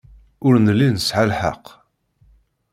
Ur nelli nesɛa lḥeqq.